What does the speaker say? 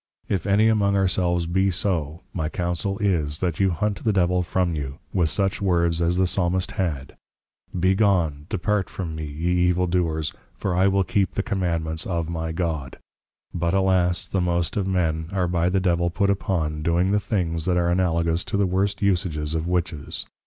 If any among ourselves be so, my councel is, that you hunt the Devil from you, with such words as the Psalmist had, Be gone, Depart from me, ye evil Doers, for I will keep the Commandments of my God. But alas, the most of men, are by the Devil put upon doing the things that are Analogous to the worst usages of Witches.